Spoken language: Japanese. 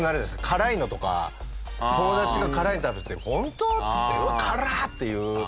辛いのとか友達が辛いの食べてて「ホント？」っつって「うわっ辛っ！」っていう。